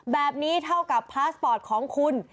แบบนี้เท่ากับพาสปอร์ตของคุณ